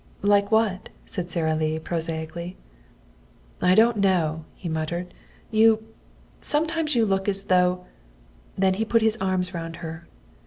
"Like what?" said Sara Lee prosaically. "I don't know," he muttered. "You sometimes you look as though " Then he put his arms round her.